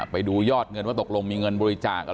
ไปดูยอดเงินว่าตกลงมีเงินบริจาค